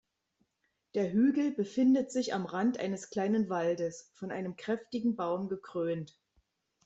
Der Hügel befindet sich am Rand eines kleinen Waldes, von einem kräftigen Baum gekrönt.